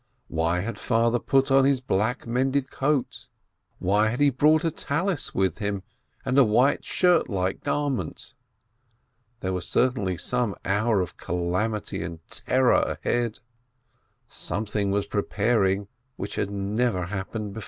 Why had Father put on his black mended cloak ? Why had he brought a Tallis with him, and a white shirt like garment? There was certainly some hour of calamity and terror ahead, something was preparing which had never happened before.